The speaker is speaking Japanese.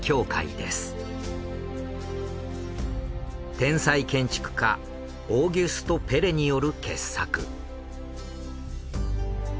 天才建築家オーギュスト・ペレによる傑作。